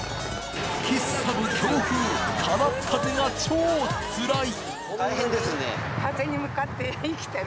吹きすさぶ強風からっ風が超つらい！